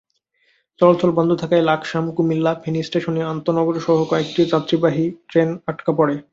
চলাচল বন্ধ থাকায় লাকসাম, কুমিল্লা, ফেনী স্টেশনে আন্তনগরসহ কয়েকটি যাত্রীবাহী ট্রেন আটকা পড়ে।